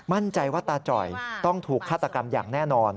มั่นใจว่าตาจ่อยต้องถูกฆาตกรรมอย่างแน่นอน